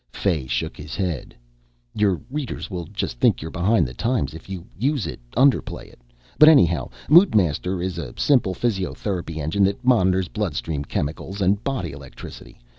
Fay shook his head. "Your readers will just think you're behind the times. If you use it, underplay it. But anyhow, Moodmaster is a simple physiotherapy engine that monitors bloodstream chemicals and body electricity.